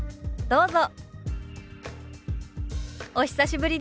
どうぞ。